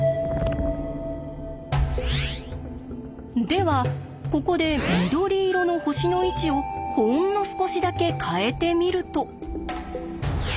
ではここで緑色の星の位置をほんの少しだけ変えてみると。